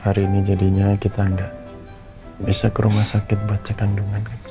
hari ini jadinya kita gak bisa ke rumah sakit buat cek kandungan